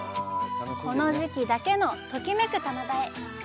この時期だけの「ときめく棚田」へ！